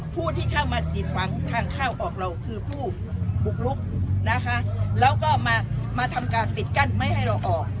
ผู้ที่เข้ามาผิดหวังทางเข้าออกเราคือผู้บุกลุกนะคะแล้วก็มาทำการปิดกั้นไม่ให้เราออก